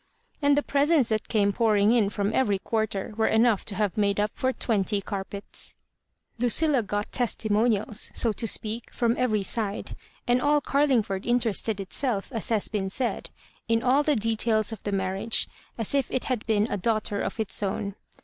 And the presents that came pouring in firom every quarter were enough to have made up for twenty carpets. LudUa got testimonials, ao to speak, firom every side, and all Garlingford interested itself as has been said, in all the de tails oi the marriage, as if it had been a daughter of its own.